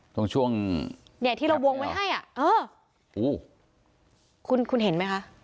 ช่วงช่วงเนี่ยที่เราวงไว้ให้อ่ะเอออู้คุณคุณเห็นไหมคะ